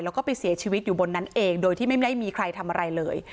แล้วก็ไปเสียชีวิตอยู่บนนั้นเองโดยที่ไม่ได้มีใครทำอะไรเลย